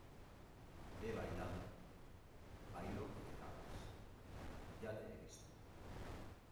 he bailado. bailo que te cagas . ya te he visto .